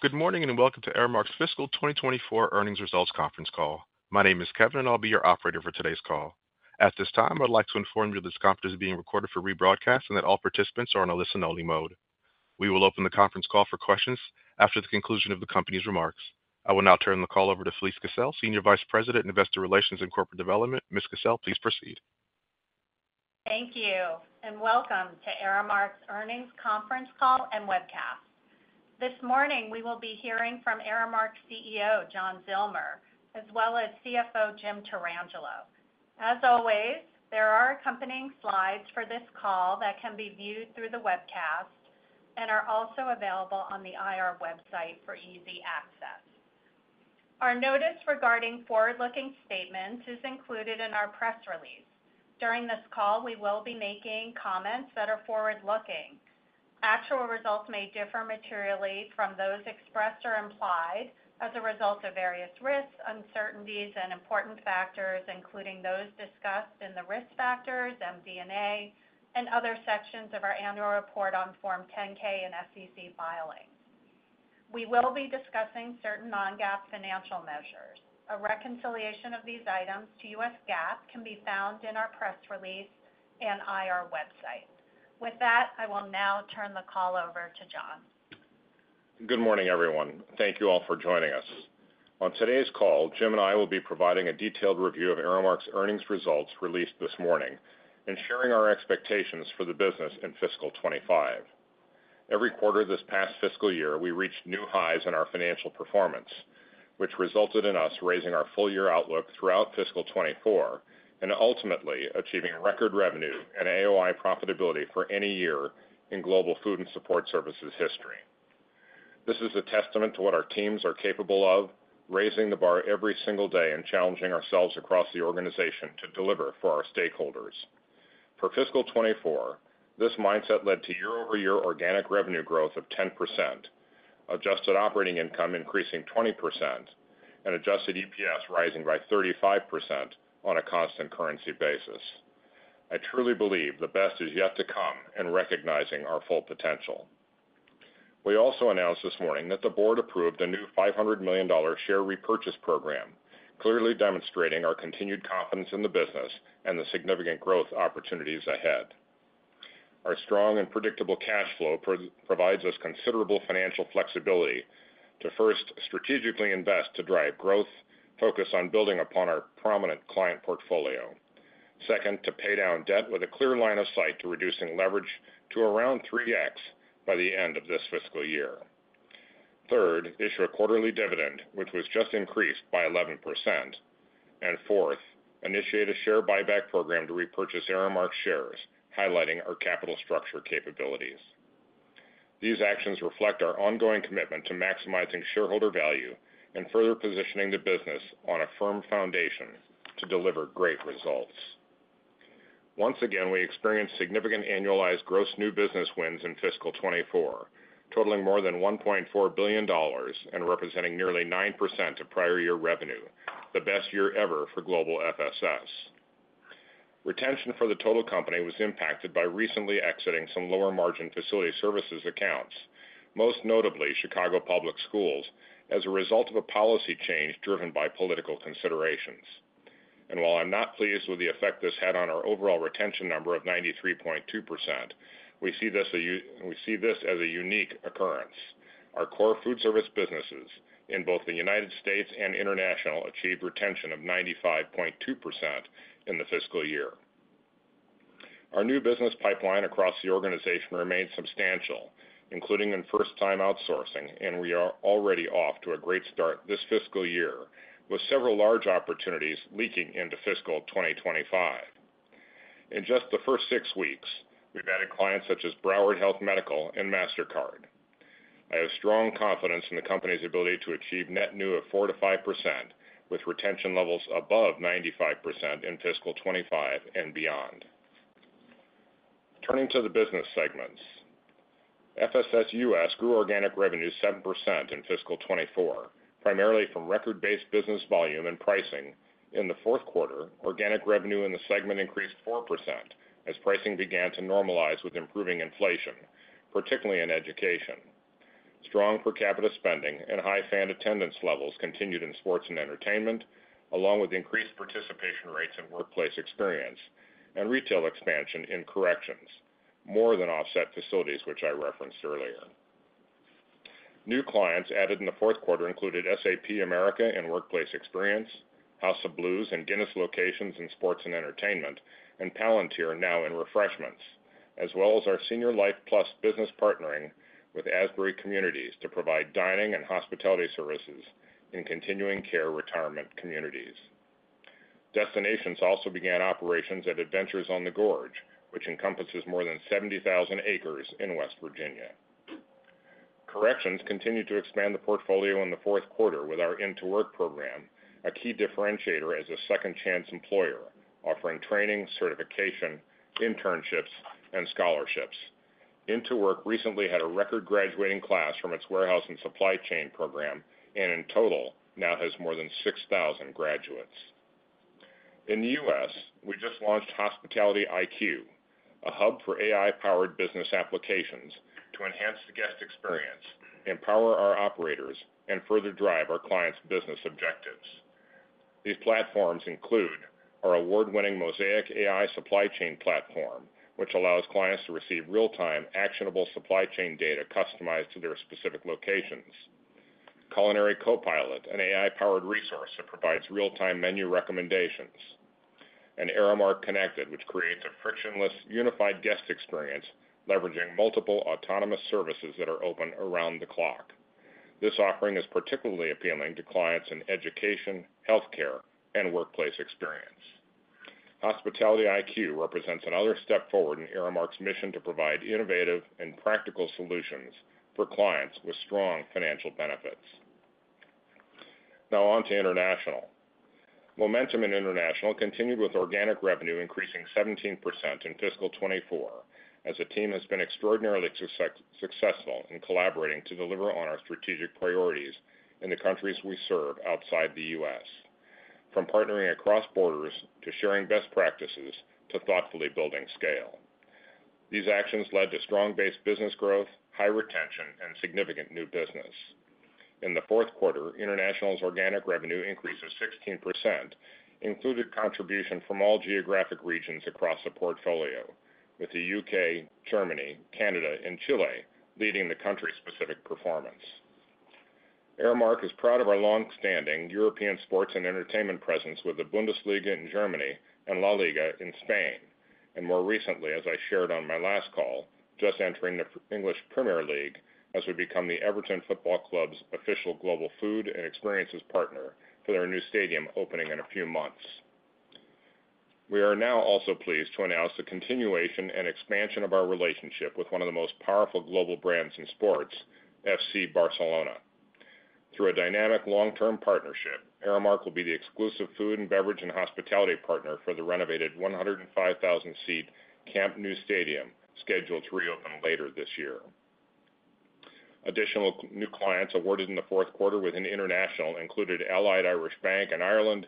Good morning and welcome to Aramark's Fiscal 2024 Earnings Results Conference Call. My name is Kevin, and I'll be your operator for today's call. At this time, I'd like to inform you that this conference is being recorded for rebroadcast and that all participants are on a listen-only mode. We will open the conference call for questions after the conclusion of the company's remarks. I will now turn the call over to Felise Kissell, Senior Vice President, Investor Relations and Corporate Development. Ms. Kissell, please proceed. Thank you, and welcome to Aramark's Earnings Conference call and webcast. This morning, we will be hearing from Aramark CEO John Zillmer, as well as CFO Jim Tarangelo. As always, there are accompanying slides for this call that can be viewed through the webcast and are also available on the IR website for easy access. Our notice regarding forward-looking statements is included in our press release. During this call, we will be making comments that are forward-looking. Actual results may differ materially from those expressed or implied as a result of various risks, uncertainties, and important factors, including those discussed in the risk factors, MD&A, and other sections of our annual report on Form 10-K and SEC filings. We will be discussing certain non-GAAP financial measures. A reconciliation of these items to U.S. GAAP can be found in our press release and IR website. With that, I will now turn the call over to John. Good morning, everyone. Thank you all for joining us. On today's call, Jim and I will be providing a detailed review of Aramark's earnings results released this morning and sharing our expectations for the business in fiscal 2025. Every quarter this past fiscal year, we reached new highs in our financial performance, which resulted in us raising our full-year outlook throughout fiscal 2024 and ultimately achieving record revenue and AOI profitability for any year in global food and support services history. This is a testament to what our teams are capable of, raising the bar every single day and challenging ourselves across the organization to deliver for our stakeholders. For fiscal 2024, this mindset led to year-over-year organic revenue growth of 10%, adjusted operating income increasing 20%, and adjusted EPS rising by 35% on a constant currency basis. I truly believe the best is yet to come in recognizing our full potential. We also announced this morning that the board approved a new $500 million share repurchase program, clearly demonstrating our continued confidence in the business and the significant growth opportunities ahead. Our strong and predictable cash flow provides us considerable financial flexibility to first strategically invest to drive growth, focus on building upon our prominent client portfolio. Second, to pay down debt with a clear line of sight to reducing leverage to around 3x by the end of this fiscal year. Third, issue a quarterly dividend, which was just increased by 11%. And fourth, initiate a share buyback program to repurchase Aramark shares, highlighting our capital structure capabilities. These actions reflect our ongoing commitment to maximizing shareholder value and further positioning the business on a firm foundation to deliver great results. Once again, we experienced significant annualized gross new business wins in fiscal 2024, totaling more than $1.4 billion and representing nearly 9% of prior year revenue, the best year ever for global FSS. Retention for the total company was impacted by recently exiting some lower-margin facility services accounts, most notably Chicago Public Schools, as a result of a policy change driven by political considerations. While I'm not pleased with the effect this had on our overall retention number of 93.2%, we see this as a unique occurrence. Our core food service businesses in both the United States and International achieved retention of 95.2% in the fiscal year. Our new business pipeline across the organization remained substantial, including in first-time outsourcing, and we are already off to a great start this fiscal year with several large opportunities leaking into fiscal 2025. In just the first six weeks, we've added clients such as Broward Health Medical and Mastercard. I have strong confidence in the company's ability to achieve net new of 4%-5% with retention levels above 95% in fiscal 2025 and beyond. Turning to the business segments, FSS U.S. grew organic revenue 7% in fiscal 2024, primarily from record-based business volume and pricing. In the fourth quarter, organic revenue in the segment increased 4% as pricing began to normalize with improving inflation, particularly in education. Strong per capita spending and high fan attendance levels continued in sports and entertainment, along with increased participation rates and workplace experience, and retail expansion in corrections, more than offset facilities, which I referenced earlier. New clients added in the fourth quarter included SAP America in workplace experience, House of Blues and Guinness locations in sports and entertainment, and Palantir now in refreshments, as well as our SeniorLife+ business partnering with Asbury Communities to provide dining and hospitality services in continuing care retirement communities. Destinations also began operations at Adventures on the Gorge, which encompasses more than 70,000 acres in West Virginia. Corrections continued to expand the portfolio in the fourth quarter with our IN2WORK program, a key differentiator as a second-chance employer, offering training, certification, internships, and scholarships. IN2WORK recently had a record graduating class from its warehouse and supply chain program and in total now has more than 6,000 graduates. In the U.S., we just launched Hospitality IQ, a hub for AI-powered business applications to enhance the guest experience, empower our operators, and further drive our clients' business objectives. These platforms include our award-winning Mosaic AI supply chain platform, which allows clients to receive real-time, actionable supply chain data customized to their specific locations, Culinary Co-Pilot, an AI-powered resource that provides real-time menu recommendations, and Aramark Connected, which creates a frictionless, unified guest experience leveraging multiple autonomous services that are open around the clock. This offering is particularly appealing to clients in education, healthcare, and workplace experience. Hospitality IQ represents another step forward in Aramark's mission to provide innovative and practical solutions for clients with strong financial benefits. Now on to international. Momentum in international continued with organic revenue increasing 17% in fiscal 2024 as the team has been extraordinarily successful in collaborating to deliver on our strategic priorities in the countries we serve outside the U.S., from partnering across borders to sharing best practices to thoughtfully building scale. These actions led to strong base business growth, high retention, and significant new business. In the fourth quarter, international's organic revenue increased to 16%, included contribution from all geographic regions across the portfolio, with the U.K., Germany, Canada, and Chile leading the country-specific performance. Aramark is proud of our longstanding European sports and entertainment presence with the Bundesliga in Germany and LaLiga in Spain, and more recently, as I shared on my last call, just entering the English Premier League as we become the Everton Football Club's official global food and experiences partner for their new stadium opening in a few months. We are now also pleased to announce the continuation and expansion of our relationship with one of the most powerful global brands in sports, FC Barcelona. Through a dynamic long-term partnership, Aramark will be the exclusive food and beverage and hospitality partner for the renovated 105,000-seat Camp Nou stadium scheduled to reopen later this year. Additional new clients awarded in the fourth quarter within international included Allied Irish Bank in Ireland,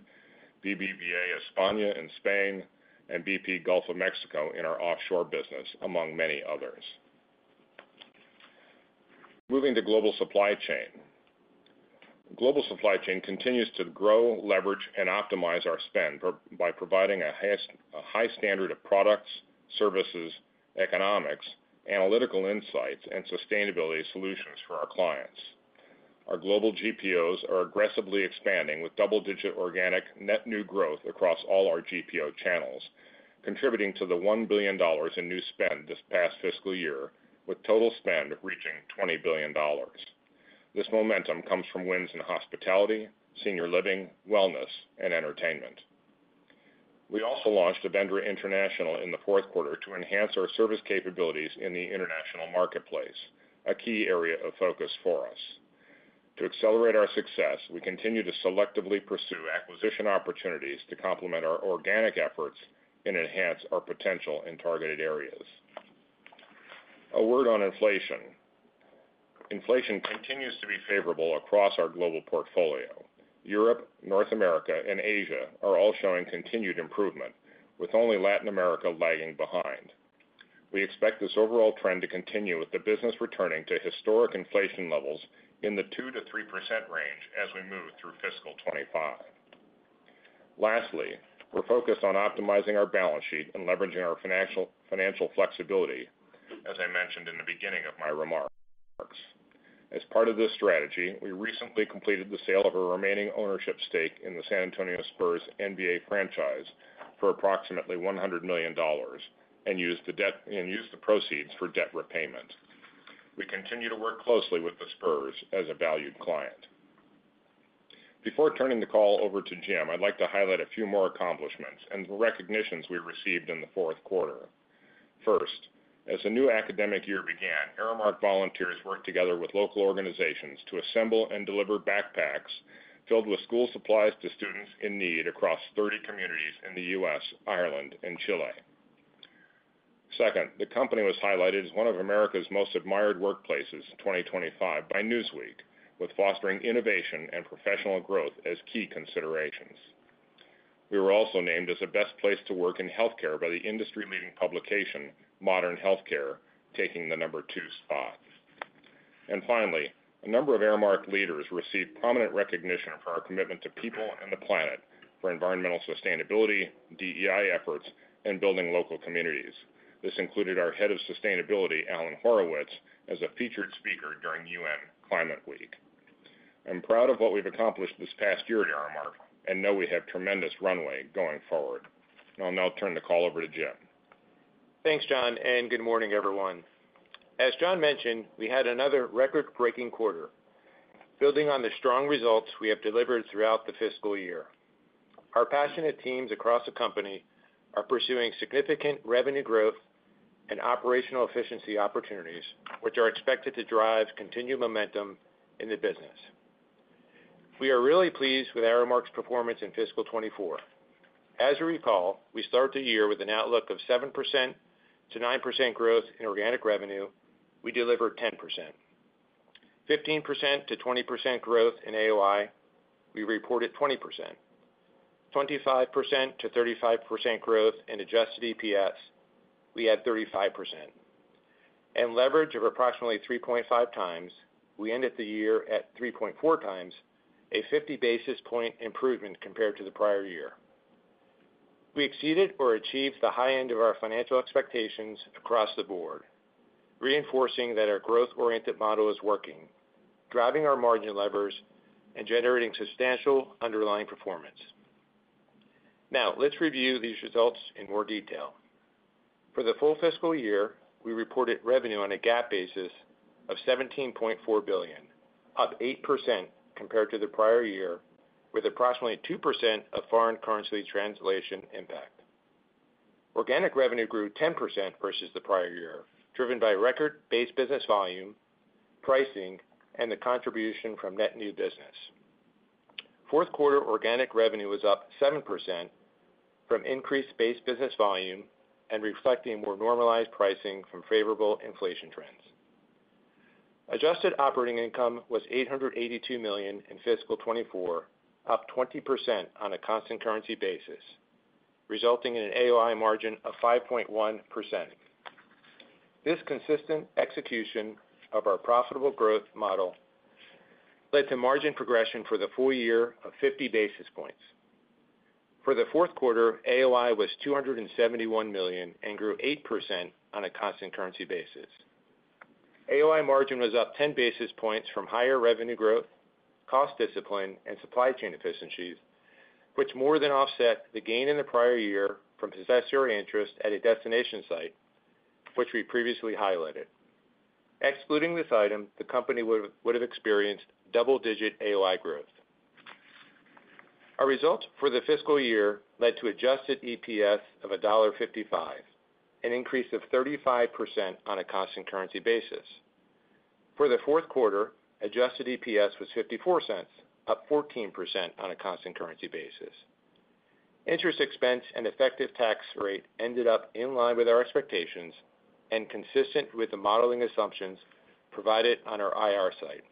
BBVA España in Spain, and BP Gulf of Mexico in our offshore business, among many others. Moving to global supply chain. Global supply chain continues to grow, leverage, and optimize our spend by providing a high standard of products, services, economics, analytical insights, and sustainability solutions for our clients. Our global GPOs are aggressively expanding with double-digit organic net new growth across all our GPO channels, contributing to the $1 billion in new spend this past fiscal year, with total spend reaching $20 billion. This momentum comes from wins in hospitality, senior living, wellness, and entertainment. We also launched Avendra International in the fourth quarter to enhance our service capabilities in the international marketplace, a key area of focus for us. To accelerate our success, we continue to selectively pursue acquisition opportunities to complement our organic efforts and enhance our potential in targeted areas. A word on inflation. Inflation continues to be favorable across our global portfolio. Europe, North America, and Asia are all showing continued improvement, with only Latin America lagging behind. We expect this overall trend to continue with the business returning to historic inflation levels in the 2%-3% range as we move through fiscal 2025. Lastly, we're focused on optimizing our balance sheet and leveraging our financial flexibility, as I mentioned in the beginning of my remarks. As part of this strategy, we recently completed the sale of our remaining ownership stake in the San Antonio Spurs NBA franchise for approximately $100 million and used the proceeds for debt repayment. We continue to work closely with the Spurs as a valued client. Before turning the call over to Jim, I'd like to highlight a few more accomplishments and recognitions we received in the fourth quarter. First, as the new academic year began, Aramark Volunteers worked together with local organizations to assemble and deliver backpacks filled with school supplies to students in need across 30 communities in the U.S., Ireland, and Chile. Second, the company was highlighted as one of America's most admired workplaces in 2025 by Newsweek, with fostering innovation and professional growth as key considerations. We were also named as the best place to work in healthcare by the industry-leading publication, Modern Healthcare, taking the number two spot. And finally, a number of Aramark leaders received prominent recognition for our commitment to people and the planet for environmental sustainability, DEI efforts, and building local communities. This included our head of sustainability, Alan Horowitz, as a featured speaker during UN Climate Week. I'm proud of what we've accomplished this past year at Aramark and know we have tremendous runway going forward. I'll now turn the call over to Jim. Thanks, John, and good morning, everyone. As John mentioned, we had another record-breaking quarter, building on the strong results we have delivered throughout the fiscal year. Our passionate teams across the company are pursuing significant revenue growth and operational efficiency opportunities, which are expected to drive continued momentum in the business. We are really pleased with Aramark's performance in fiscal 2024. As we recall, we start the year with an outlook of 7%-9% growth in organic revenue. We delivered 10%. 15%-20% growth in AOI, we reported 20%. 25%-35% growth in adjusted EPS, we had 35%. And leverage of approximately 3.5 times, we ended the year at 3.4 times, a 50 basis points improvement compared to the prior year. We exceeded or achieved the high end of our financial expectations across the board, reinforcing that our growth-oriented model is working, driving our margin levers, and generating substantial underlying performance. Now, let's review these results in more detail. For the full fiscal year, we reported revenue on a GAAP basis of $17.4 billion, up 8% compared to the prior year, with approximately 2% of foreign currency translation impact. Organic revenue grew 10% versus the prior year, driven by record base business volume, pricing, and the contribution from net new business. Fourth quarter organic revenue was up 7% from increased base business volume and reflecting more normalized pricing from favorable inflation trends. Adjusted operating income was $882 million in fiscal 2024, up 20% on a constant currency basis, resulting in an AOI margin of 5.1%. This consistent execution of our profitable growth model led to margin progression for the full year of 50 basis points. For the fourth quarter, AOI was $271 million and grew 8% on a constant currency basis. AOI margin was up 10 basis points from higher revenue growth, cost discipline, and supply chain efficiencies, which more than offset the gain in the prior year from possessory interest at a destination site, which we previously highlighted. Excluding this item, the company would have experienced double-digit AOI growth. Our result for the fiscal year led to adjusted EPS of $1.55, an increase of 35% on a constant currency basis. For the fourth quarter, adjusted EPS was $0.54, up 14% on a constant currency basis. Interest expense and effective tax rate ended up in line with our expectations and consistent with the modeling assumptions provided on our IR site.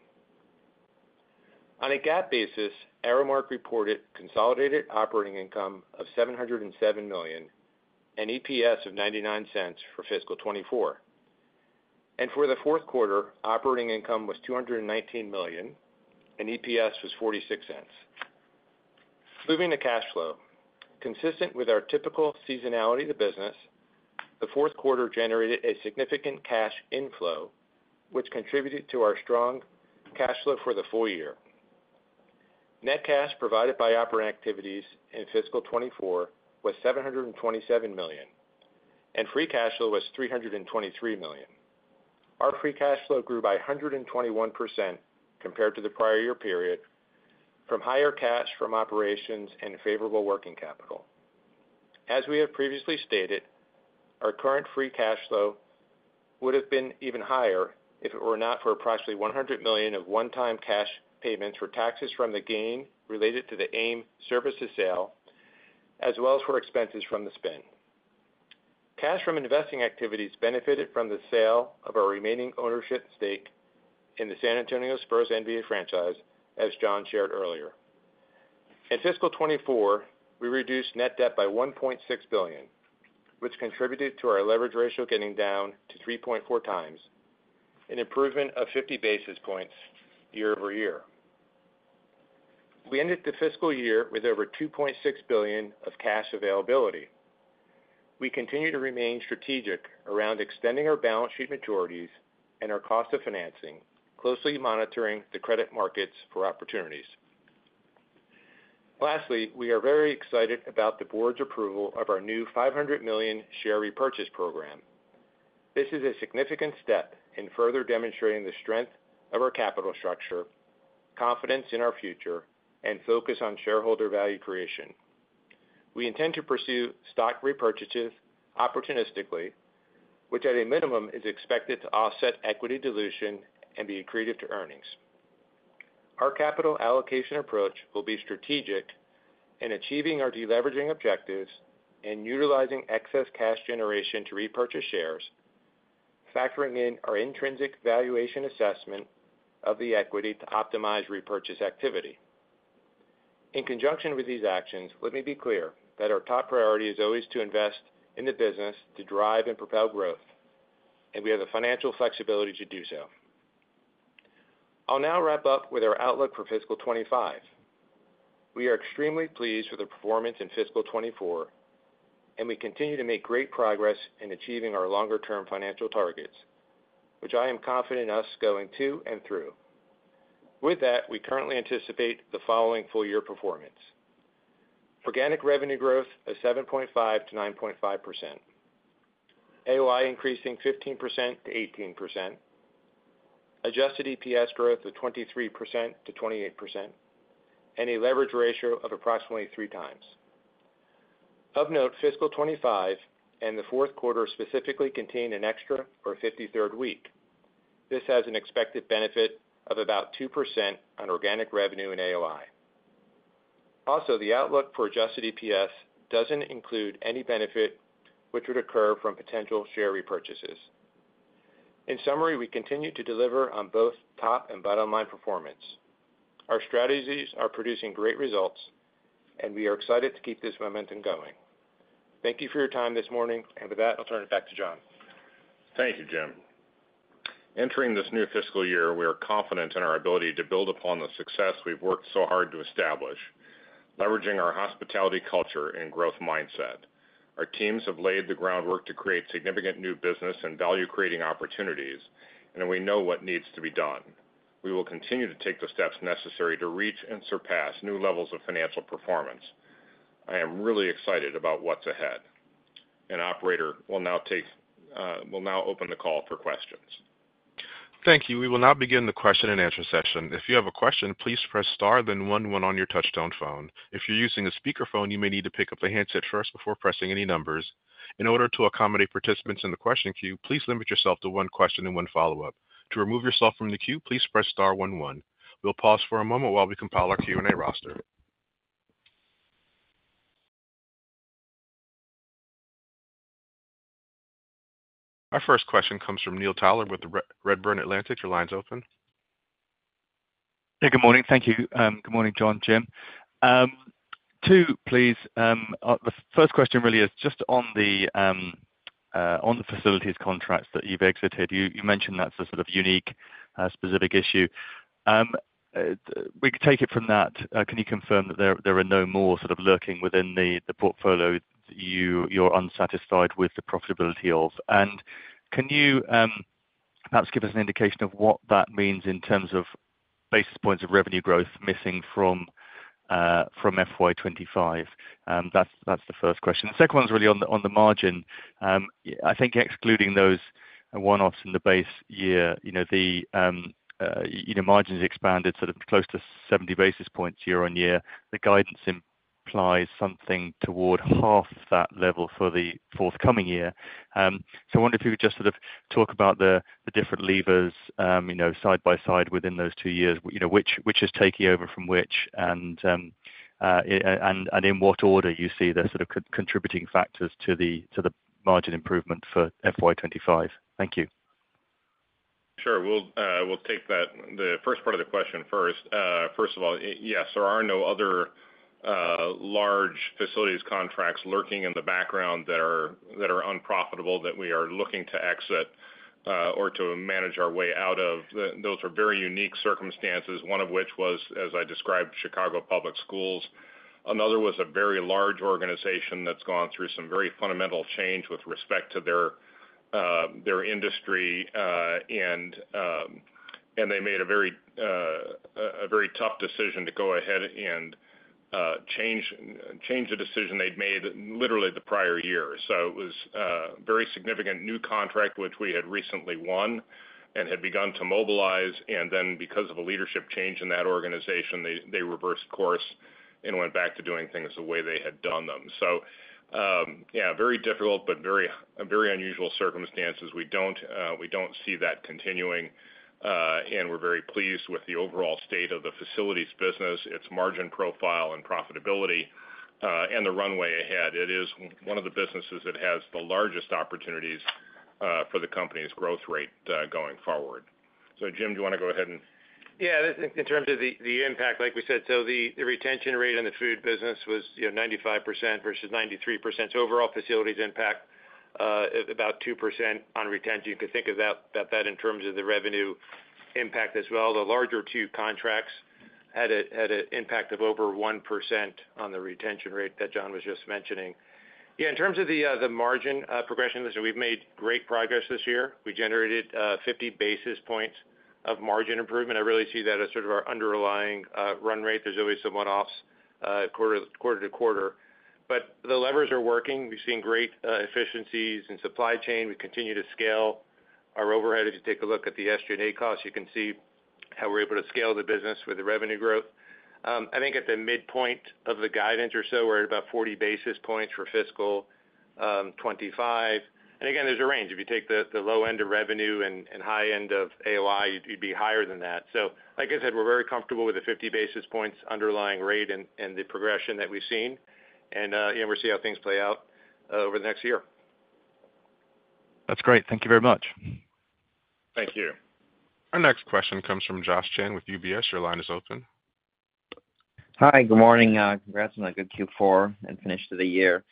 On a GAAP basis, Aramark reported consolidated operating income of $707 million and EPS of $0.99 for fiscal 2024, and for the fourth quarter, operating income was $219 million and EPS was $0.46. Moving to cash flow, consistent with our typical seasonality of the business, the fourth quarter generated a significant cash inflow, which contributed to our strong cash flow for the full year. Net cash provided by operating activities in fiscal 2024 was $727 million, and free cash flow was $323 million. Our free cash flow grew by 121% compared to the prior year period from higher cash from operations and favorable working capital. As we have previously stated, our current free cash flow would have been even higher if it were not for approximately $100 million of one-time cash payments for taxes from the gain related to the AIM Services sale, as well as for expenses from the spend. Cash from investing activities benefited from the sale of our remaining ownership stake in the San Antonio Spurs NBA franchise, as John shared earlier. In fiscal 2024, we reduced net debt by $1.6 billion, which contributed to our leverage ratio getting down to 3.4 times, an improvement of 50 basis points year-over-year. We ended the fiscal year with over $2.6 billion of cash availability. We continue to remain strategic around extending our balance sheet maturities and our cost of financing, closely monitoring the credit markets for opportunities. Lastly, we are very excited about the board's approval of our new $500 million share repurchase program. This is a significant step in further demonstrating the strength of our capital structure, confidence in our future, and focus on shareholder value creation. We intend to pursue stock repurchases opportunistically, which at a minimum is expected to offset equity dilution and be accretive to earnings. Our capital allocation approach will be strategic in achieving our deleveraging objectives and utilizing excess cash generation to repurchase shares, factoring in our intrinsic valuation assessment of the equity to optimize repurchase activity. In conjunction with these actions, let me be clear that our top priority is always to invest in the business to drive and propel growth, and we have the financial flexibility to do so. I'll now wrap up with our outlook for fiscal 2025. We are extremely pleased with the performance in fiscal 2024, and we continue to make great progress in achieving our longer-term financial targets, which I am confident in us going to and through. With that, we currently anticipate the following full-year performance: organic revenue growth of 7.5%-9.5%, AOI increasing 15%-18%, adjusted EPS growth of 23%-28%, and a leverage ratio of approximately three times. Of note, fiscal 2025 and the fourth quarter specifically contained an extra or 53rd week. This has an expected benefit of about 2% on organic revenue and AOI. Also, the outlook for adjusted EPS doesn't include any benefit which would occur from potential share repurchases. In summary, we continue to deliver on both top and bottom-line performance. Our strategies are producing great results, and we are excited to keep this momentum going. Thank you for your time this morning, and with that, I'll turn it back to John. Thank you, Jim. Entering this new fiscal year, we are confident in our ability to build upon the success we've worked so hard to establish, leveraging our hospitality culture and growth mindset. Our teams have laid the groundwork to create significant new business and value-creating opportunities, and we know what needs to be done. We will continue to take the steps necessary to reach and surpass new levels of financial performance. I am really excited about what's ahead. And Operator will now open the call for questions. Thank you. We will now begin the question-and-answer session. If you have a question, please press star, then one one on your touch-tone phone. If you're using a speakerphone, you may need to pick up the handset first before pressing any numbers. In order to accommodate participants in the question queue, please limit yourself to one question and one follow-up. To remove yourself from the queue, please press star, one one. We'll pause for a moment while we compile our Q&A roster. Our first question comes from Neil Tyler with Redburn Atlantic. Your line's open. Hey, good morning. Thank you. Good morning, John, Jim. Two, please. The first question really is just on the facilities contracts that you've exited. You mentioned that's a sort of unique, specific issue. We can take it from that. Can you confirm that there are no more sort of lurking within the portfolio that you're unsatisfied with the profitability of? And can you perhaps give us an indication of what that means in terms of basis points of revenue growth missing from FY 2025? That's the first question. The second one's really on the margin. I think excluding those one-offs in the base year, the margins expanded sort of close to 70 basis points year on year. The guidance implies something toward half that level for the forthcoming year. So I wonder if you could just sort of talk about the different levers side by side within those two years, which is taking over from which, and in what order you see the sort of contributing factors to the margin improvement for FY 2025. Thank you. Sure. We'll take the first part of the question first. First of all, yes, there are no other large facilities contracts lurking in the background that are unprofitable that we are looking to exit or to manage our way out of. Those were very unique circumstances, one of which was, as I described, Chicago Public Schools. Another was a very large organization that's gone through some very fundamental change with respect to their industry, and they made a very tough decision to go ahead and change the decision they'd made literally the prior year. So it was a very significant new contract, which we had recently won and had begun to mobilize. And then, because of a leadership change in that organization, they reversed course and went back to doing things the way they had done them. So, yeah, very difficult, but very unusual circumstances. We don't see that continuing, and we're very pleased with the overall state of the facilities business, its margin profile and profitability, and the runway ahead. It is one of the businesses that has the largest opportunities for the company's growth rate going forward. So, Jim, do you want to go ahead and? Yeah, in terms of the impact, like we said, so the retention rate on the food business was 95% versus 93%. So overall facilities impact about 2% on retention. You could think of that in terms of the revenue impact as well. The larger two contracts had an impact of over 1% on the retention rate that John was just mentioning. Yeah, in terms of the margin progression, we've made great progress this year. We generated 50 basis points of margin improvement. I really see that as sort of our underlying run rate. There's always some one-offs quarter to quarter. But the levers are working. We've seen great efficiencies in supply chain. We continue to scale our overhead. If you take a look at the SG&A cost, you can see how we're able to scale the business with the revenue growth. I think at the midpoint of the guidance or so, we're at about 40 basis points for fiscal 2025. And again, there's a range. If you take the low end of revenue and high end of AOI, you'd be higher than that. So, like I said, we're very comfortable with the 50 basis points underlying rate and the progression that we've seen. And we'll see how things play out over the next year. That's great. Thank you very much. Thank you. Our next question comes from Josh Chan with UBS. Your line is open. Hi, good morning. Congrats on a good Q4 and finish to the year.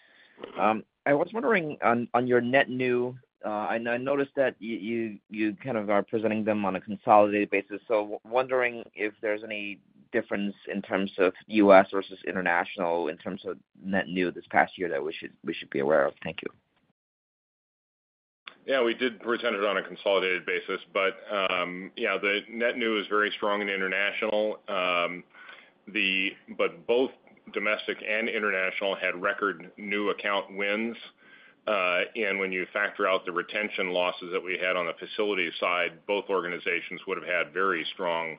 I was wondering on your net new, I noticed that you kind of are presenting them on a consolidated basis. So wondering if there's any difference in terms of U.S. versus international in terms of net new this past year that we should be aware of. Thank you. Yeah, we did present it on a consolidated basis, but yeah, the net new is very strong in international. But both domestic and international had record new account wins. And when you factor out the retention losses that we had on the facility side, both organizations would have had very strong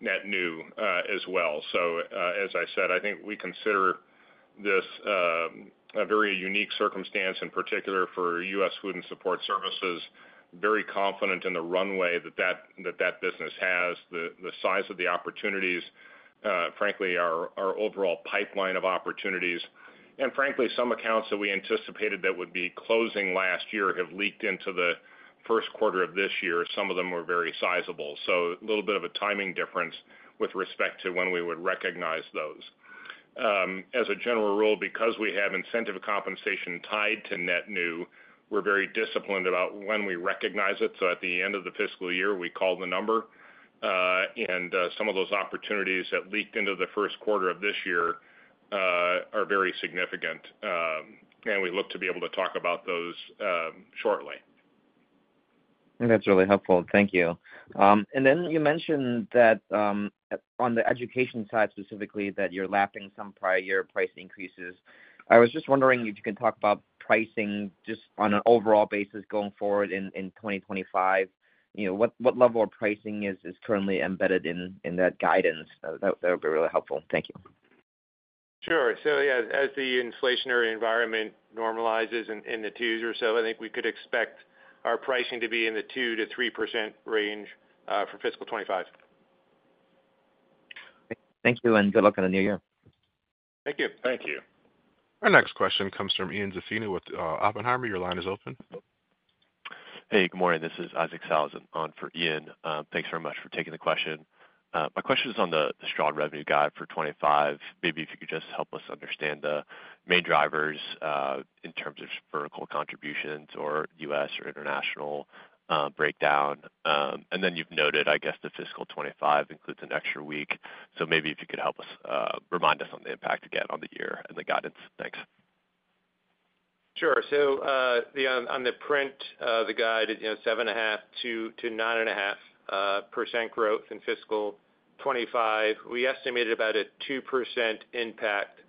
net new as well. So, as I said, I think we consider this a very unique circumstance, in particular for U.S. Food and Support Services, very confident in the runway that that business has, the size of the opportunities, frankly, our overall pipeline of opportunities. And frankly, some accounts that we anticipated that would be closing last year have leaked into the first quarter of this year. Some of them were very sizable. So a little bit of a timing difference with respect to when we would recognize those. As a general rule, because we have incentive compensation tied to net new, we're very disciplined about when we recognize it. So at the end of the fiscal year, we call the number. And some of those opportunities that leaked into the first quarter of this year are very significant. And we look to be able to talk about those shortly. That's really helpful. Thank you. And then you mentioned that on the education side specifically, that you're lapping some prior year price increases. I was just wondering if you could talk about pricing just on an overall basis going forward in 2025. What level of pricing is currently embedded in that guidance? That would be really helpful. Thank you. Sure. So, yeah, as the inflationary environment normalizes in the two years or so, I think we could expect our pricing to be in the 2%-3% range for fiscal 2025. Thank you, and good luck on the new year. Thank you. Thank you. Our next question comes from Ian Zaffino with Oppenheimer. Your line is open. Hey, good morning. This is Isaac Sellhausen, on for Ian. Thanks very much for taking the question. My question is on the strong revenue guide for 2025. Maybe if you could just help us understand the main drivers in terms of vertical contributions or U.S. or international breakdown. And then you've noted, I guess, the fiscal 2025 includes an extra week. So maybe if you could help us remind us on the impact again on the year and the guidance. Thanks. Sure. So on the print, the guide, 7.5%-9.5% growth in fiscal 2025. We estimated about a 2% impact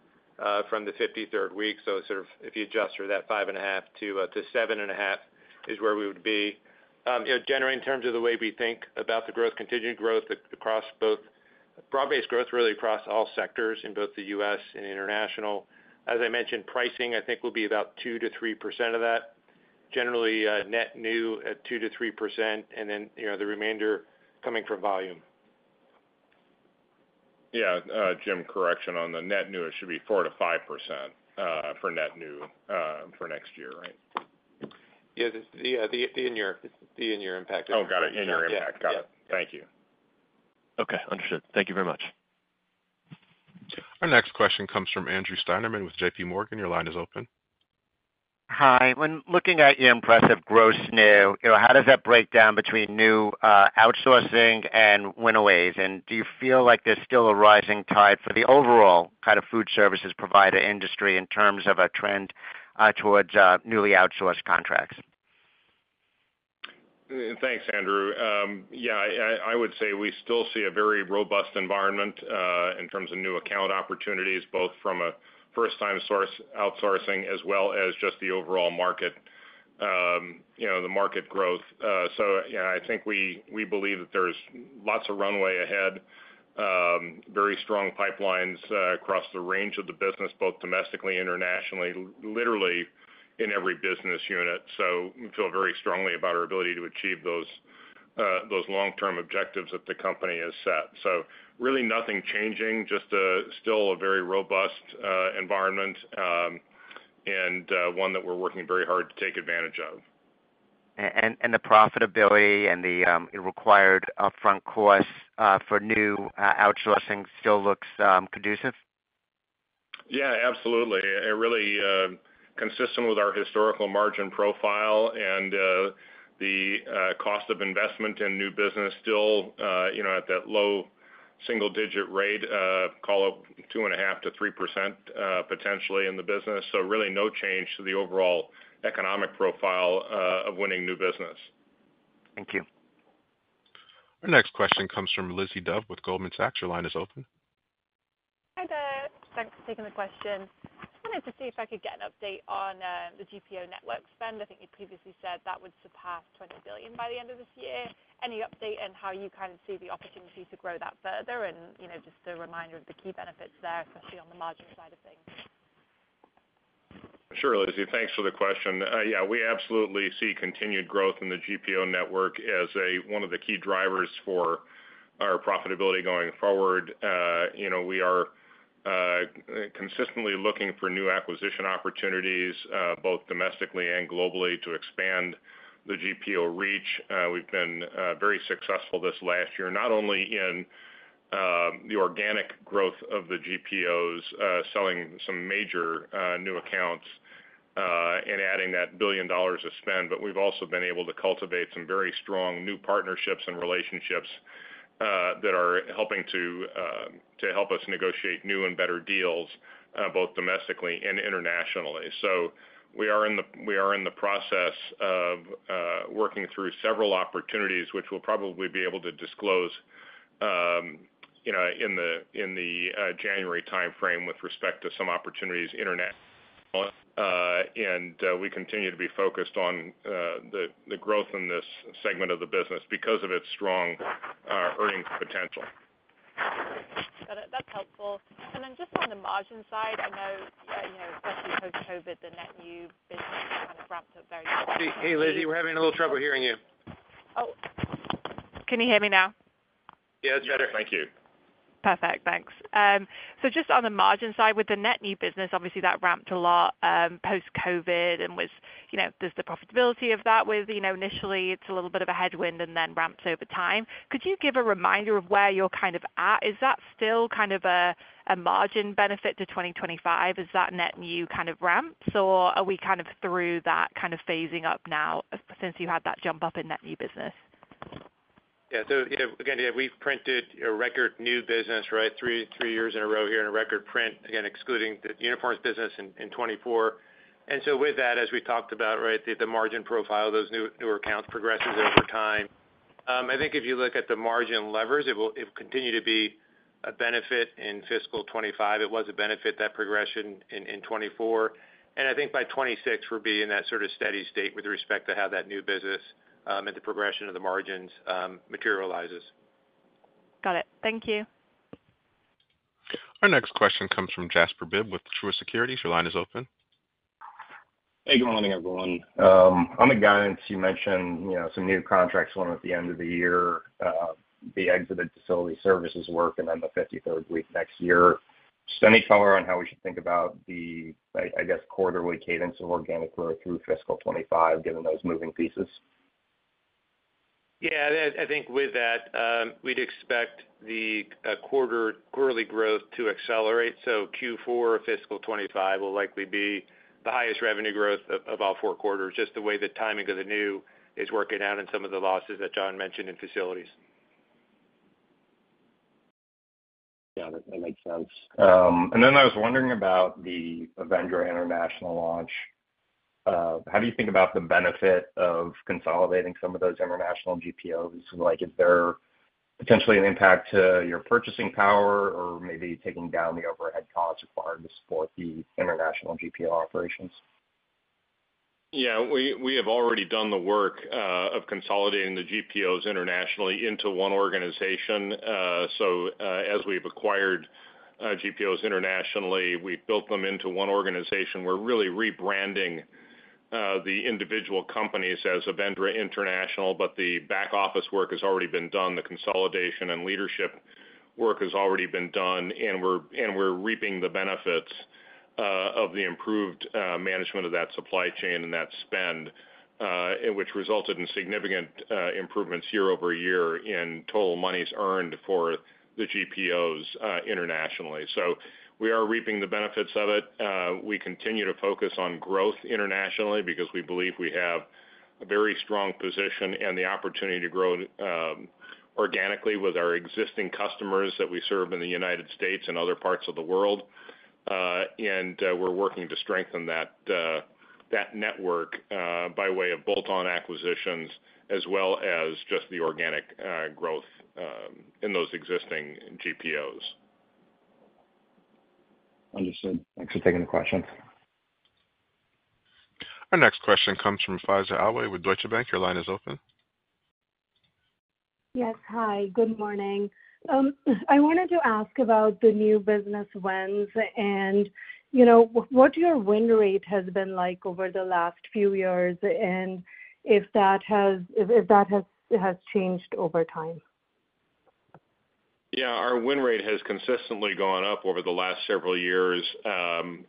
from the 53rd week. So sort of if you adjust for that 5.5%-7.5% is where we would be. Generally, in terms of the way we think about the growth, continued growth across both broad-based growth, really across all sectors in both the U.S. and international. As I mentioned, pricing, I think, will be about 2%-3% of that. Generally, net new at 2%-3%, and then the remainder coming from volume. Yeah. Jim, correction on the net new, it should be 4%-5% for net new for next year, right? Yeah, the in-year impact. Oh, got it. In-year impact. Got it. Thank you. Okay. Understood. Thank you very much. Our next question comes from Andrew Steinerman with J.P. Morgan. Your line is open. Hi. When looking at your impressive gross new, how does that break down between new outsourcing and went-aways? And do you feel like there's still a rising tide for the overall kind of food services provider industry in terms of a trend towards newly outsourced contracts? Thanks, Andrew. Yeah, I would say we still see a very robust environment in terms of new account opportunities, both from a first-time outsourcing as well as just the overall market, the market growth. So, yeah, I think we believe that there's lots of runway ahead, very strong pipelines across the range of the business, both domestically and internationally, literally in every business unit. So we feel very strongly about our ability to achieve those long-term objectives that the company has set. So really nothing changing, just still a very robust environment and one that we're working very hard to take advantage of. The profitability and the required upfront costs for new outsourcing still looks conducive? Yeah, absolutely. Really consistent with our historical margin profile and the cost of investment in new business still at that low single-digit rate, call it 2.5%-3% potentially in the business. So really no change to the overall economic profile of winning new business. Thank you. Our next question comes from Lizzie Dove with Goldman Sachs. Your line is open. Hi, there. Thanks for taking the question. I wanted to see if I could get an update on the GPO network spend. I think you previously said that would surpass $20 billion by the end of this year. Any update on how you kind of see the opportunity to grow that further and just a reminder of the key benefits there, especially on the margin side of things? Sure, Lizzie. Thanks for the question. Yeah, we absolutely see continued growth in the GPO network as one of the key drivers for our profitability going forward. We are consistently looking for new acquisition opportunities, both domestically and globally, to expand the GPO reach. We've been very successful this last year, not only in the organic growth of the GPOs, selling some major new accounts and adding that $1 billion of spend, but we've also been able to cultivate some very strong new partnerships and relationships that are helping us negotiate new and better deals, both domestically and internationally. So we are in the process of working through several opportunities, which we'll probably be able to disclose in the January timeframe with respect to some opportunities internationally. And we continue to be focused on the growth in this segment of the business because of its strong earning potential. Got it. That's helpful. And then just on the margin side, I know, especially post-COVID, the net new business kind of ramped up very. [inaudible] Hey, Lizzie. We're having a little trouble hearing you. Oh. Can you hear me now? Yeah, it's better. Thank you. Perfect. Thanks. So just on the margin side, with the net new business, obviously, that ramped a lot post-COVID. And there's the profitability of that where initially it's a little bit of a headwind and then ramps over time. Could you give a reminder of where you're kind of at? Is that still kind of a margin benefit to 2025? Is that net new kind of ramps, or are we kind of through that kind of phasing up now since you had that jump up in that new business? Yeah. So again, yeah, we've printed a record new business, right, three years in a row here in a record print, again, excluding the uniforms business in 2024, and so with that, as we talked about, right, the margin profile, those new accounts progresses over time. I think if you look at the margin levers, it will continue to be a benefit in fiscal 2025. It was a benefit, that progression in 2024, and I think by 2026, we'll be in that sort of steady state with respect to how that new business and the progression of the margins materializes. Got it. Thank you. Our next question comes from Jasper Bibb with Truist Securities. Your line is open. Hey, good morning, everyone. On the guidance, you mentioned some new contracts one at the end of the year, the exited facility services work, and then the 53rd week next year. Just any color on how we should think about the, I guess, quarterly cadence of organic growth through fiscal 2025, given those moving pieces? Yeah. I think with that, we'd expect the quarterly growth to accelerate. So Q4 of fiscal 2025 will likely be the highest revenue growth of all four quarters, just the way the timing of the new is working out and some of the losses that John mentioned in facilities. Got it. That makes sense. And then I was wondering about the Avendra International launch. How do you think about the benefit of consolidating some of those international GPOs? Is there potentially an impact to your purchasing power or maybe taking down the overhead costs required to support the international GPO operations? Yeah. We have already done the work of consolidating the GPOs internationally into one organization. So as we've acquired GPOs internationally, we've built them into one organization. We're really rebranding the individual companies as Avendra International, but the back office work has already been done. The consolidation and leadership work has already been done, and we're reaping the benefits of the improved management of that supply chain and that spend, which resulted in significant improvements year-over-year in total monies earned for the GPOs internationally. So we are reaping the benefits of it. We continue to focus on growth internationally because we believe we have a very strong position and the opportunity to grow organically with our existing customers that we serve in the United States and other parts of the world. We're working to strengthen that network by way of bolt-on acquisitions as well as just the organic growth in those existing GPOs. Understood. Thanks for taking the question. Our next question comes from Faiza Alwy with Deutsche Bank. Your line is open. Yes. Hi. Good morning. I wanted to ask about the new business wins and what your win rate has been like over the last few years and if that has changed over time. Yeah. Our win rate has consistently gone up over the last several years. Obviously,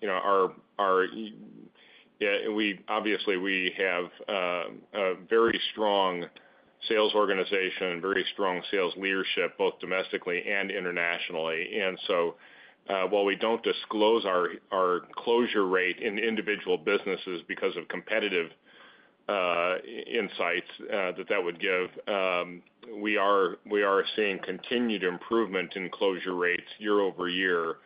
we have a very strong sales organization, very strong sales leadership, both domestically and internationally. And so while we don't disclose our closure rate in individual businesses because of competitive insights that that would give, we are seeing continued improvement in closure rates year-over-year,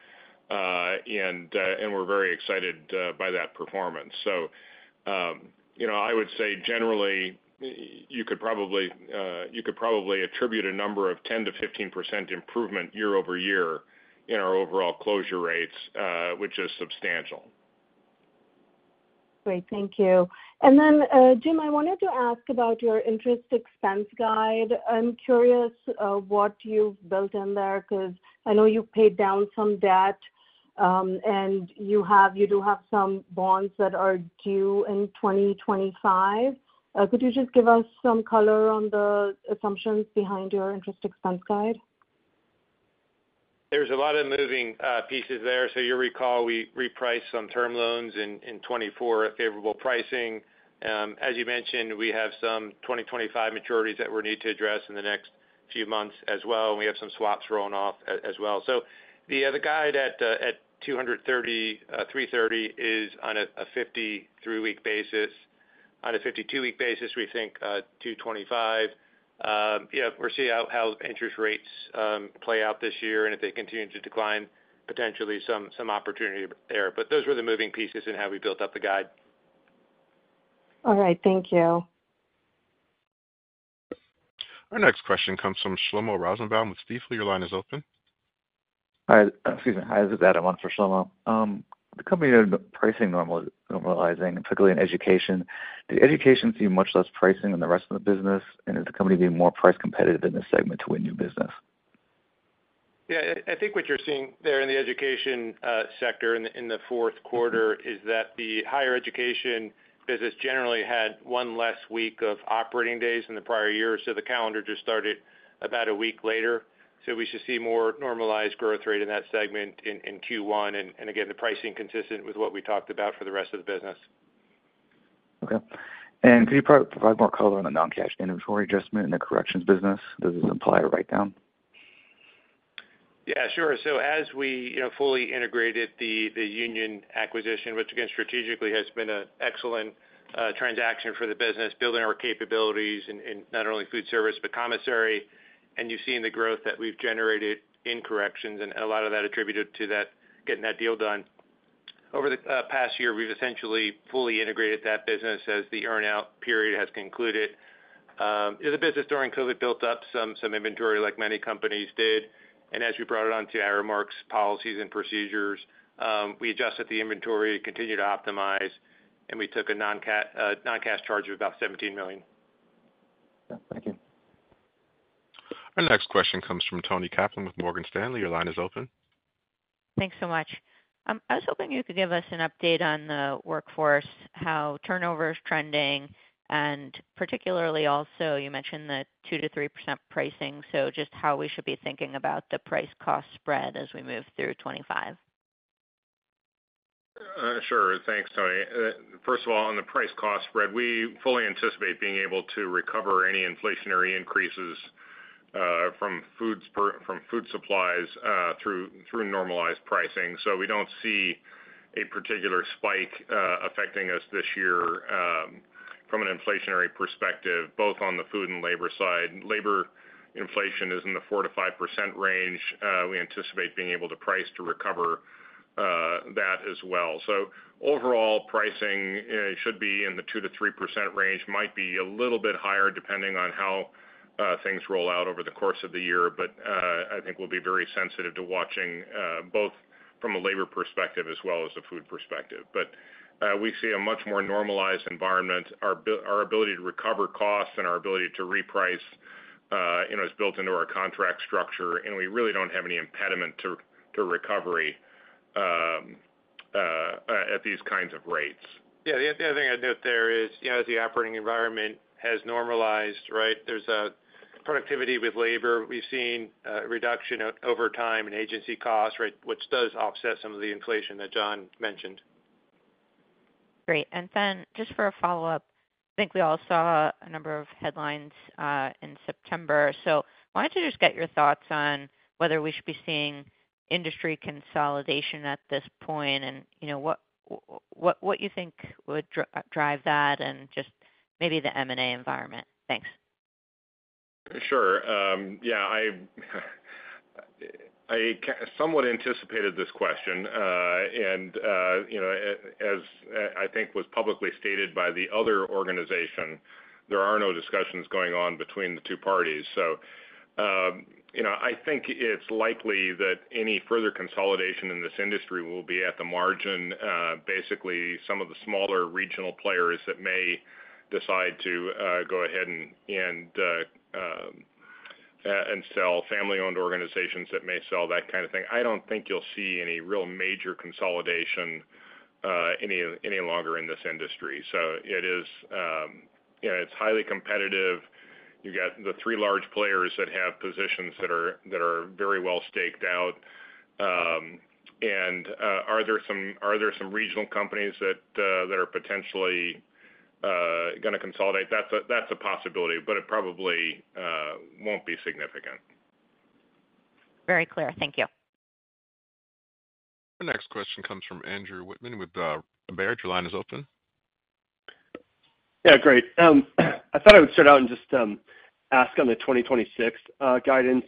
and we're very excited by that performance. So I would say, generally, you could probably attribute a 10%-15% improvement year-over-year in our overall closure rates, which is substantial. Great. Thank you. And then, Jim, I wanted to ask about your interest expense guide. I'm curious what you've built in there because I know you've paid down some debt, and you do have some bonds that are due in 2025. Could you just give us some color on the assumptions behind your interest expense guide? There's a lot of moving pieces there. So you'll recall we repriced some term loans in 2024 at favorable pricing. As you mentioned, we have some 2025 maturities that we need to address in the next few months as well. We have some swaps rolling off as well. So the other guy at 230, 330 is on a 53-week basis. On a 52-week basis, we think 225. We'll see how interest rates play out this year, and if they continue to decline, potentially some opportunity there. But those were the moving pieces in how we built up the guide. All right. Thank you. Our next question comes from Shlomo Rosenbaum with Stifel. Your line is open. This is Adam on for Shlomo. The company has been pricing normalizing, particularly in education. Does education see much less pricing than the rest of the business, and is the company being more price competitive in this segment to win new business? Yeah. I think what you're seeing there in the education sector in the fourth quarter is that the higher education business generally had one less week of operating days in the prior year. So the calendar just started about a week later. So we should see more normalized growth rate in that segment in Q1. And again, the pricing is consistent with what we talked about for the rest of the business. Okay. And could you provide more color on the non-cash inventory adjustment in the corrections business? Does this imply a write-down? Yeah, sure. So as we fully integrated the Union acquisition, which again, strategically has been an excellent transaction for the business, building our capabilities in not only food service but commissary. And you've seen the growth that we've generated in corrections, and a lot of that attributed to getting that deal done. Over the past year, we've essentially fully integrated that business as the earnout period has concluded. The business during COVID built up some inventory like many companies did. And as we brought it onto our Aramark's policies, and procedures, we adjusted the inventory, continued to optimize, and we took a non-cash charge of about $17 million. Thank you. Our next question comes from Toni Kaplan with Morgan Stanley. Your line is open. Thanks so much. I was hoping you could give us an update on the workforce, how turnover is trending, and particularly also you mentioned the 2%-3% pricing, so just how we should be thinking about the price-cost spread as we move through 2025. Sure. Thanks, Toni. First of all, on the price-cost spread, we fully anticipate being able to recover any inflationary increases from food supplies through normalized pricing. So we don't see a particular spike affecting us this year from an inflationary perspective, both on the food and labor side. Labor inflation is in the 4%-5% range. We anticipate being able to price to recover that as well. So overall, pricing should be in the 2%-3% range. It might be a little bit higher depending on how things roll out over the course of the year, but I think we'll be very sensitive to watching both from a labor perspective as well as a food perspective. But we see a much more normalized environment. Our ability to recover costs and our ability to reprice is built into our contract structure, and we really don't have any impediment to recovery at these kinds of rates. Yeah. The other thing I'd note there is, as the operating environment has normalized, right, there's a productivity with labor. We've seen a reduction over time in agency costs, right, which does offset some of the inflation that John mentioned. Great, and then just for a follow-up, I think we all saw a number of headlines in September, so I wanted to just get your thoughts on whether we should be seeing industry consolidation at this point and what you think would drive that and just maybe the M&A environment. Thanks. Sure. Yeah. I somewhat anticipated this question. And as I think was publicly stated by the other organization, there are no discussions going on between the two parties. So I think it's likely that any further consolidation in this industry will be at the margin, basically some of the smaller regional players that may decide to go ahead and sell family-owned organizations that may sell that kind of thing. I don't think you'll see any real major consolidation any longer in this industry. So it's highly competitive. You've got the three large players that have positions that are very well staked out. And are there some regional companies that are potentially going to consolidate? That's a possibility, but it probably won't be significant. Very clear. Thank you. Our next question comes from Andrew Wittmann with Baird. Your line is open. Yeah. Great. I thought I would start out and just ask on the 2026 guidance.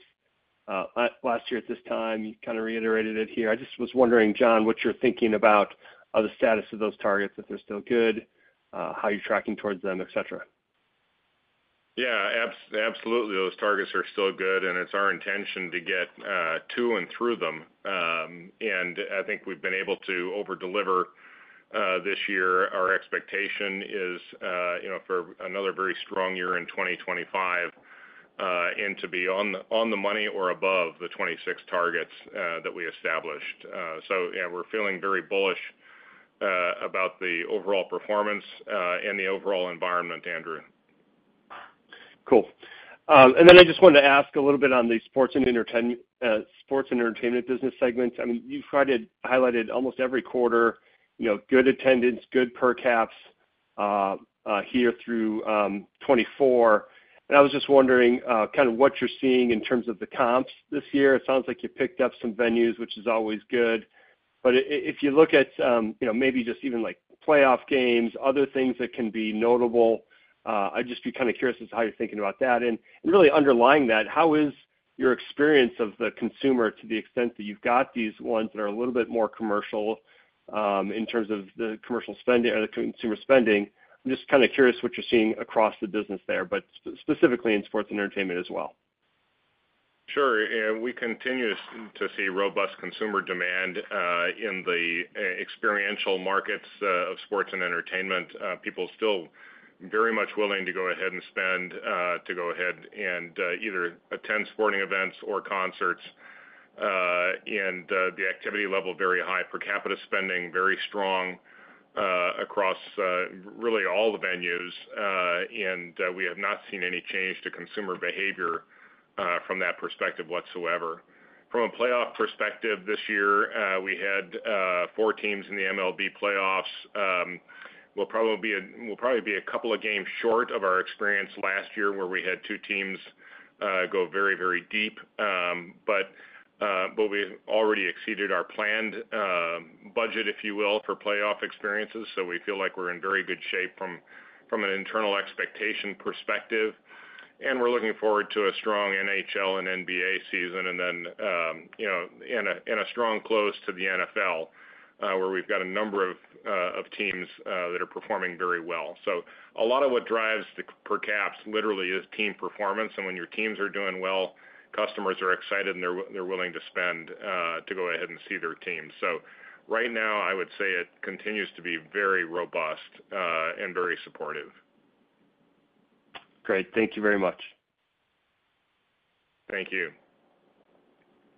Last year at this time, you kind of reiterated it here. I just was wondering, John, what you're thinking about the status of those targets, if they're still good, how you're tracking towards them, etc. Yeah. Absolutely. Those targets are still good, and it's our intention to get to and through them. And I think we've been able to overdeliver this year. Our expectation is for another very strong year in 2025 and to be on the money or above the 2026 targets that we established. So yeah, we're feeling very bullish about the overall performance and the overall environment, Andrew. Cool. And then I just wanted to ask a little bit on the sports and entertainment business segment. I mean, you've highlighted almost every quarter good attendance, good per caps here through 2024. And I was just wondering kind of what you're seeing in terms of the comps this year. It sounds like you picked up some venues, which is always good. But if you look at maybe just even playoff games, other things that can be notable, I'd just be kind of curious as to how you're thinking about that. And really underlying that, how is your experience of the consumer to the extent that you've got these ones that are a little bit more commercial in terms of the consumer spending? I'm just kind of curious what you're seeing across the business there, but specifically in sports and entertainment as well. Sure. We continue to see robust consumer demand in the experiential markets of sports and entertainment. People are still very much willing to go ahead and spend to go ahead and either attend sporting events or concerts, and the activity level is very high. Per capita spending is very strong across really all the venues, and we have not seen any change to consumer behavior from that perspective whatsoever. From a playoff perspective, this year, we had four teams in the MLB playoffs. We'll probably be a couple of games short of our experience last year where we had two teams go very, very deep, but we already exceeded our planned budget, if you will, for playoff experiences, so we feel like we're in very good shape from an internal expectation perspective. And we're looking forward to a strong NHL and NBA season and then in a strong close to the NFL where we've got a number of teams that are performing very well. So a lot of what drives the per caps literally is team performance. And when your teams are doing well, customers are excited, and they're willing to spend to go ahead and see their team. So right now, I would say it continues to be very robust and very supportive. Great. Thank you very much. Thank you.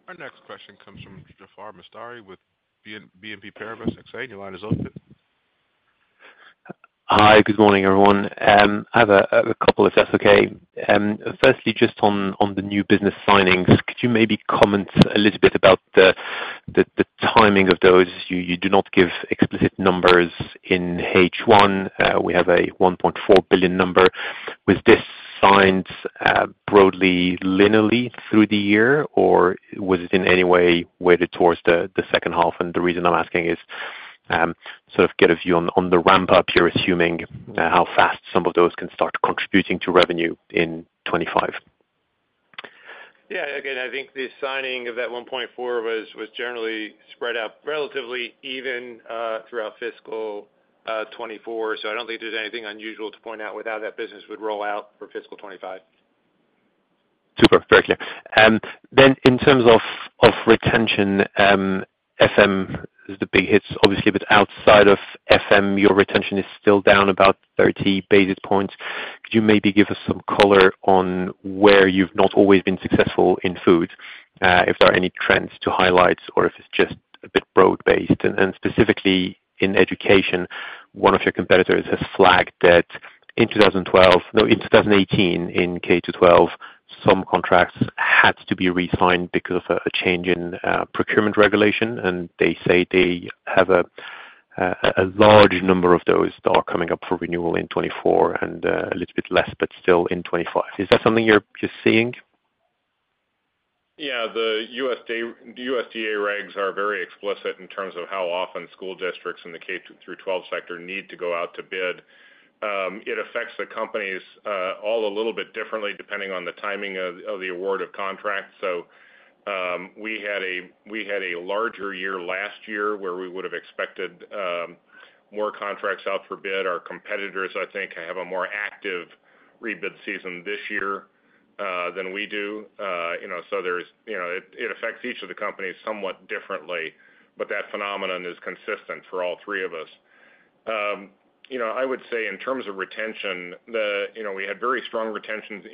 Our next question comes from Jaafar Mestari with BNP Paribas Exane. Your line is open. Hi. Good morning, everyone. I have a couple, if that's okay. Firstly, just on the new business signings, could you maybe comment a little bit about the timing of those? You do not give explicit numbers in H1. We have a $1.4 billion number. Was this signed broadly linearly through the year, or was it in any way weighted towards the second half? And the reason I'm asking is sort of get a view on the ramp-up. You're assuming how fast some of those can start contributing to revenue in 2025? Yeah. Again, I think the signing of that $1.4 billion was generally spread out relatively even throughout fiscal 2024. So I don't think there's anything unusual to point out with how that business would roll out for fiscal 2025. Super. Very clear. Then in terms of retention, FM is the big hit. Obviously, if it's outside of FM, your retention is still down about 30 basis points. Could you maybe give us some color on where you've not always been successful in food, if there are any trends to highlight, or if it's just a bit broad-based, and specifically in education, one of your competitors has flagged that in 2018 in K-12, some contracts had to be re-signed because of a change in procurement regulation, and they say they have a large number of those that are coming up for renewal in 2024 and a little bit less, but still in 2025. Is that something you're seeing? Yeah. The USDA regs are very explicit in terms of how often school districts in the K-12 sector need to go out to bid. It affects the companies all a little bit differently depending on the timing of the award of contracts. So we had a larger year last year where we would have expected more contracts out for bid. Our competitors, I think, have a more active re-bid season this year than we do. So it affects each of the companies somewhat differently, but that phenomenon is consistent for all three of us. I would say in terms of retention, we had very strong retentions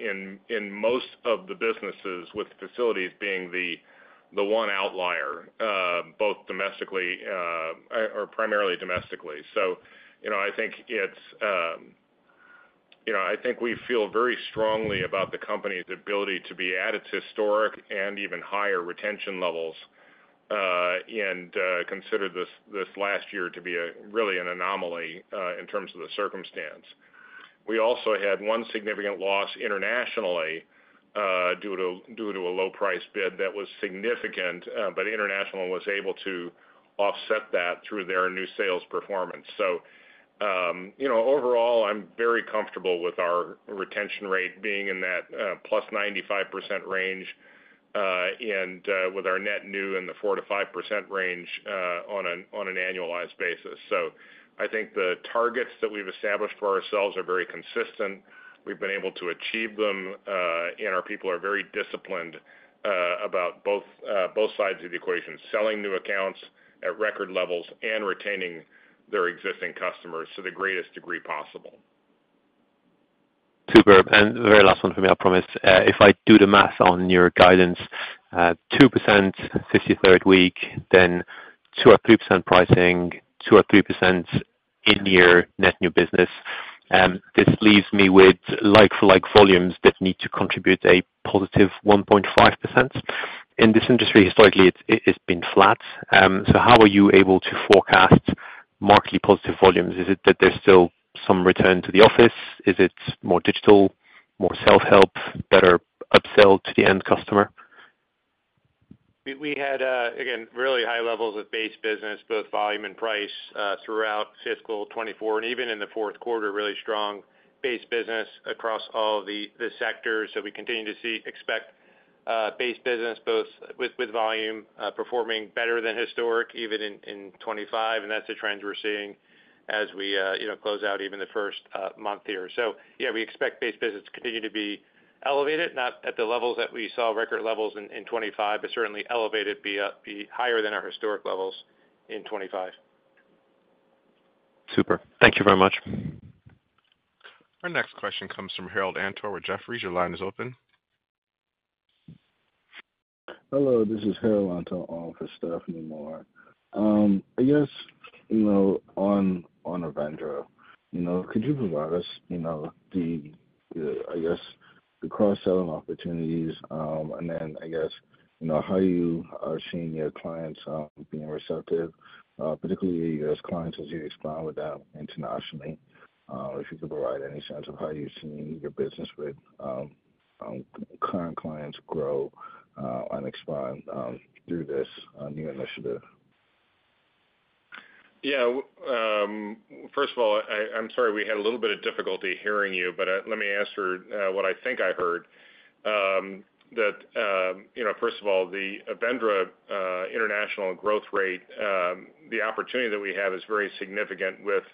in most of the businesses, with facilities being the one outlier, both primarily domestically. So I think we feel very strongly about the company's ability to be at its historic and even higher retention levels and consider this last year to be really an anomaly in terms of the circumstance. We also had one significant loss internationally due to a low-priced bid that was significant, but international was able to offset that through their new sales performance. So overall, I'm very comfortable with our retention rate being in that plus 95% range and with our net new in the 4%-5% range on an annualized basis. So I think the targets that we've established for ourselves are very consistent. We've been able to achieve them, and our people are very disciplined about both sides of the equation, selling new accounts at record levels and retaining their existing customers to the greatest degree possible. Super. And the very last one for me, I promise. If I do the math on your guidance, 2% 53rd week, then 2% or 3% pricing, 2% or 3% in-year net new business. This leaves me with like-for-like volumes that need to contribute a +1.5%. In this industry, historically, it's been flat. So how are you able to forecast markedly positive volumes? Is it that there's still some return to the office? Is it more digital, more self-help, better upsell to the end customer? We had, again, really high levels of base business, both volume and price, throughout fiscal 2024 and even in the fourth quarter, really strong base business across all the sectors, so we continue to expect base business, both with volume, performing better than historic even in 2025, and that's the trends we're seeing as we close out even the first month here, so yeah, we expect base business to continue to be elevated, not at the levels that we saw record levels in 2025, but certainly elevated, be higher than our historic levels in 2025. Super. Thank you very much. Our next question comes from Harold Antor with Jefferies. Your line is open. Hello. This is Harold Antor for Stephanie Moore. I guess on Avendra, could you provide us, I guess, the cross-selling opportunities and then, I guess, how you are seeing your clients being receptive, particularly your U.S. clients, as you expand with them internationally? If you could provide any sense of how you've seen your business with current clients grow and expand through this new initiative. Yeah. First of all, I'm sorry we had a little bit of difficulty hearing you, but let me answer what I think I heard. That first of all, the Avendra International growth rate, the opportunity that we have is very significant with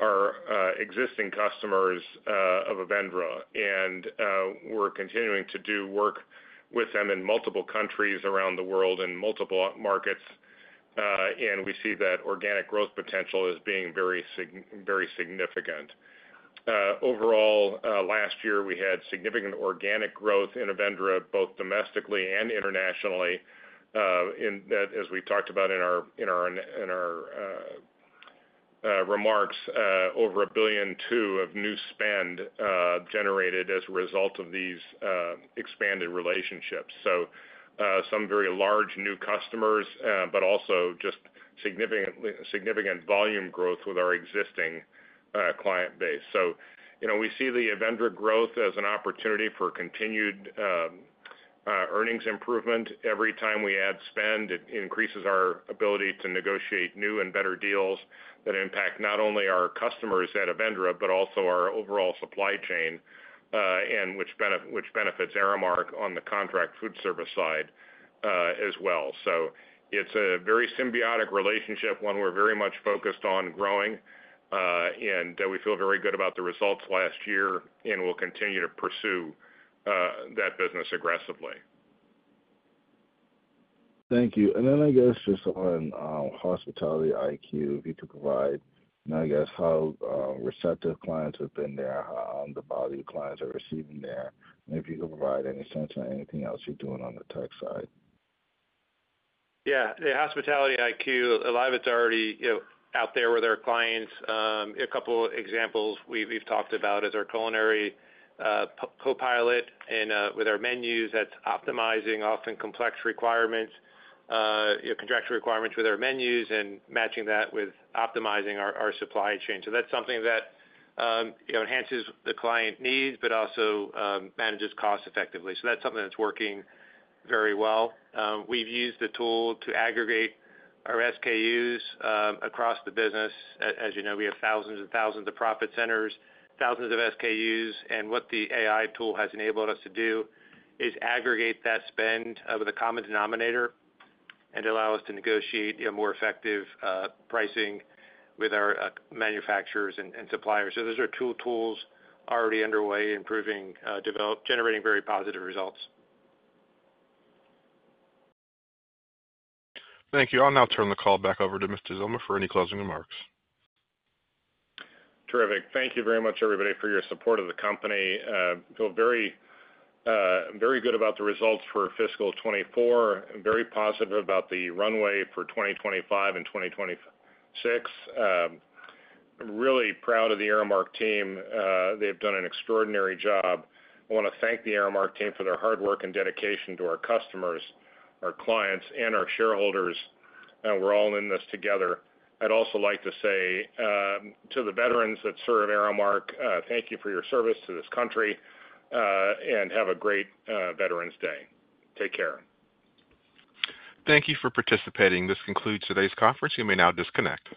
our existing customers of Avendra. And we're continuing to do work with them in multiple countries around the world in multiple markets. And we see that organic growth potential is being very significant. Overall, last year, we had significant organic growth in Avendra, both domestically and internationally, as we talked about in our remarks, over $1.2 billion of new spend generated as a result of these expanded relationships. So some very large new customers, but also just significant volume growth with our existing client base. So we see the Avendra growth as an opportunity for continued earnings improvement. Every time we add spend, it increases our ability to negotiate new and better deals that impact not only our customers at Avendra, but also our overall supply chain, which benefits Aramark on the contract food service side as well. So it's a very symbiotic relationship, one we're very much focused on growing, and we feel very good about the results last year and will continue to pursue that business aggressively. Thank you. And then I guess just on Hospitality IQ, if you could provide and I guess how receptive clients have been there, how the value clients are receiving there. And if you could provide any sense on anything else you're doing on the tech side. Yeah. The Hospitality IQ, a lot of it's already out there with our clients. A couple of examples we've talked about is our Culinary Co-Pilot and with our menus that's optimizing often complex requirements, contractual requirements with our menus and matching that with optimizing our supply chain. So that's something that enhances the client needs, but also manages costs effectively. So that's something that's working very well. We've used the tool to aggregate our SKUs across the business. As you know, we have thousands and thousands of profit centers, thousands of SKUs. And what the AI tool has enabled us to do is aggregate that spend with a common denominator and allow us to negotiate more effective pricing with our manufacturers and suppliers. So those are two tools already underway, generating very positive results. Thank you. I'll now turn the call back over to Mr. Zillmer for any closing remarks. Terrific. Thank you very much, everybody, for your support of the company. Feel very good about the results for fiscal 2024, very positive about the runway for 2025 and 2026. I'm really proud of the Aramark team. They've done an extraordinary job. I want to thank the Aramark team for their hard work and dedication to our customers, our clients, and our shareholders. And we're all in this together. I'd also like to say to the veterans that serve Aramark, thank you for your service to this country and have a great Veterans Day. Take care. Thank you for participating. This concludes today's conference. You may now disconnect.